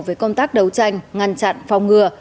về công tác đấu tranh ngăn chặn phòng ngừa